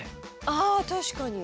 あ確かに。